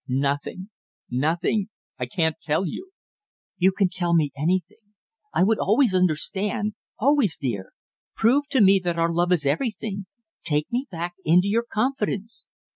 "Nothing nothing I can't tell you " "You can tell me anything, I would always understand always, dear. Prove to me that our love is everything; take me back into your confidence!"